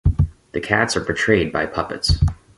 The cats are portrayed by puppets.